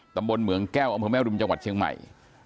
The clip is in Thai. เมืองเหมืองแก้วอำเภอแม่รุมจังหวัดเชียงใหม่